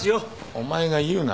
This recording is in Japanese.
お前が言うな。